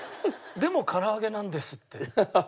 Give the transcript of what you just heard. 「でも唐揚げなんです」って。